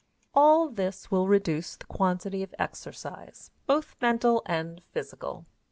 All this will reduce the quantity of exercise, both mental and physical.